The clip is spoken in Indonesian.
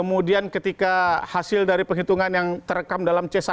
kemudian ketika hasil dari penghitungan yang terekam dalam c satu